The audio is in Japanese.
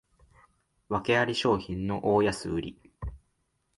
わけあり商品の大安売り